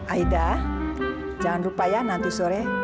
aida jangan lupa ya nanti sore